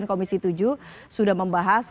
komisi tujuh sudah membahas